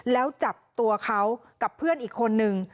แล้วจับตัวเขากับเพื่อนอีกคนนึง